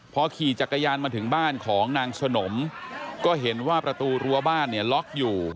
พอขี่จักรยานมาถึงบ้านของนางสนมก็เห็นว่าประตูรั้วบ้านเนี่ยล็อกอยู่